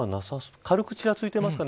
軽くちらついていますかね。